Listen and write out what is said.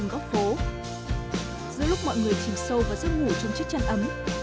giữa lúc mọi người chìm sâu và giấc ngủ